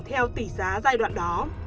theo tỷ giá giai đoạn đó